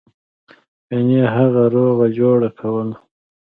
ګنې هغه روغه جوړه کوله.